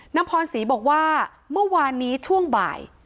พรศรีบอกว่าเมื่อวานนี้ช่วงบ่าย